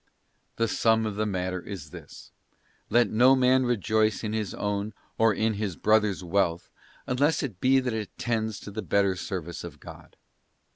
The sum of the matter is this: let no man rejoice in his own or in his brother's wealth, unless it be that it tends to the better service of God.